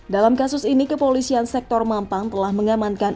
dalam kasus ini kepolisian sektor mampang telah mengamankan